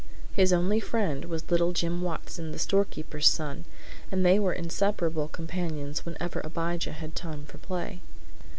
His only friend was little Jim Watson, the storekeeper's son, and they were inseparable companions whenever Abijah had time for play.